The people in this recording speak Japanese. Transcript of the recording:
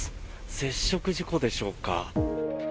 接触事故でしょうか。